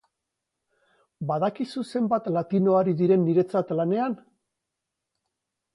Badakizu zenbat latino ari diren niretzat lanean?